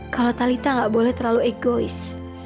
kalau talitha gak boleh terlalu egois